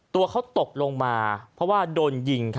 ตัวเขาตกลงมาเพราะว่าโดนยิง